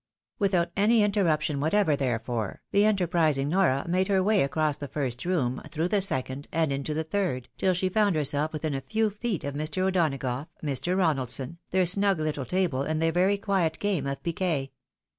Without any interruption whatever, therefore, the enterprising Nora made her way across the first room, through the second, and into the third, till she found herself within a few feet of Mr. O'Donagough, Mr. Ronaldson, their snug httls table, and their very quiet game of piquet.